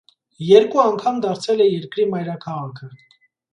Երկու անգամ դարձել է երկրի մայրաքաղաքը։